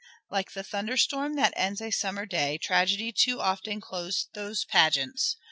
Like the thunder storm that ends a summer day tragedy too often closed those pageants.